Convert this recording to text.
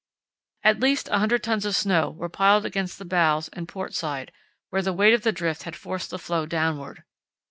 At least 100 tons of snow were piled against the bows and port side, where the weight of the drift had forced the floe downward.